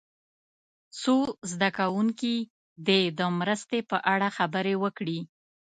څو زده کوونکي دې د مرستې په اړه خبرې وکړي.